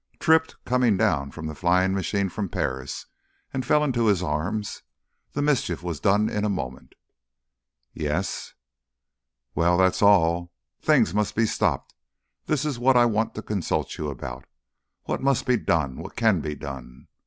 "Tripped coming down from the flying machine from Paris and fell into his arms. The mischief was done in a moment!" "Yes?" "Well that's all. Things must be stopped. That is what I want to consult you about. What must be done? What can be done?